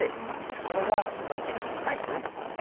それが土井家に入ってるという。